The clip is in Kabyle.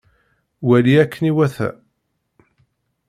Wali akken iwata!